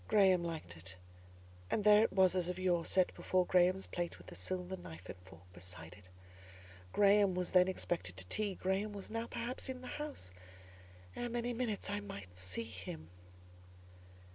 Graham liked it, and there it was as of yore—set before Graham's plate with the silver knife and fork beside it. Graham was then expected to tea: Graham was now, perhaps, in the house; ere many minutes I might see him.